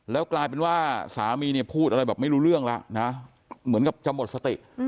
แล้วกลายเป็นว่าสามีเนี่ยพูดอะไรแบบไม่รู้เรื่องแล้วนะเหมือนกับจะหมดสติ